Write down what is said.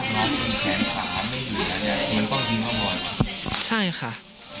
แม่อัลฟ้า